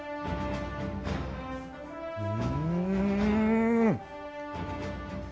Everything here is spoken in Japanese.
うん！